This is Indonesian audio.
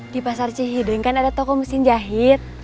di pasar cih hideng kan ada toko mesin jahit